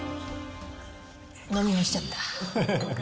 飲み干しちゃった。